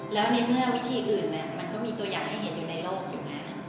แล้วในเมื่อวิธีอื่นมันก็มีตัวอย่างให้เห็นอยู่ในโลกอยู่ไง